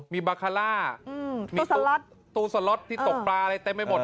มีบาคาร่ามีสล็อตตู้สล็อตที่ตกปลาอะไรเต็มไปหมด